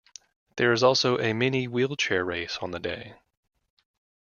There is also a Mini Wheelchair race on the day.